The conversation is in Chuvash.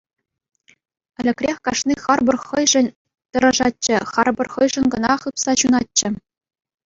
Ӗлӗкрех кашни харпӑр хӑйшӗн тӑрӑшатчӗ, харпӑр хӑйшӗн кӑна хыпса ҫунатчӗ.